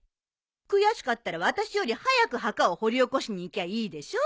悔しかったら私より早く墓を掘り起こしに行きゃいいでしょ。